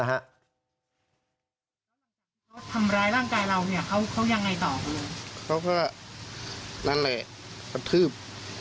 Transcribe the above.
กฎหมายจำนวนเครียมเขายังไงบ้างครับ